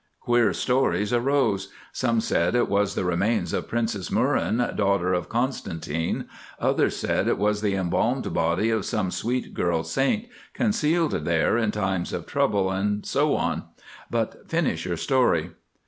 Queer stories arose. Some said it was the remains of Princess Muren, daughter of Constantine. Others said it was the embalmed body of some sweet girl Saint concealed there in times of trouble, and so on; but finish your story."